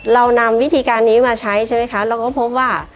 เรานำวิธีการนี้มาใช้เราก็พบว่า